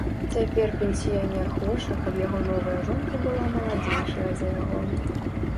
Цяпер пенсіянер хоча, каб яго новая жонка была маладзейшая за яго.